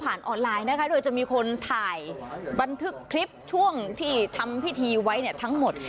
ออนไลน์นะคะโดยจะมีคนถ่ายบันทึกคลิปช่วงที่ทำพิธีไว้เนี่ยทั้งหมด